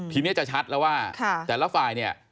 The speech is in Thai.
ทีนี้จะชัดแล้วว่าแต่ละฝ่ายเนี่ย